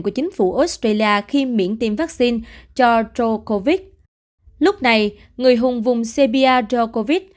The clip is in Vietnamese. của chính phủ australia khi miễn tiêm vaccine cho drogovic lúc này người hùng vùng serbia drogovic